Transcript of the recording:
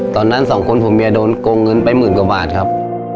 ตอนนั้นสองคนผัวเมียโดนโกงเงินไปหมื่นกว่าบาทครับ